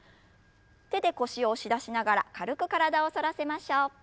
手で腰を押し出しながら軽く体を反らせましょう。